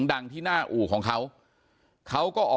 ก็ได้รู้สึกว่ามันกลายเป้าหมาย